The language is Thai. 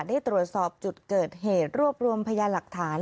ได้ตรวจสอบจุดเกิดเหตุรวบรวมพยานหลักฐาน